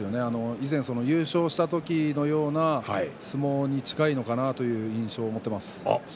以前、優勝した時のような相撲に近いのかなという印象を持っています。